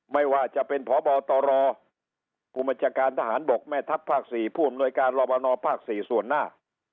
ไม่ว่าจะเป็นพบตรอทหารบกแม่ทัพภศผู้อำนวยการรรมนภศส่วนหน้า